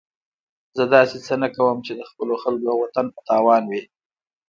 زه داسې څه نه کوم چې د خپلو خلکو او وطن په تاوان وي.